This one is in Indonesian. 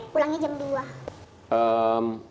pulangnya jam dua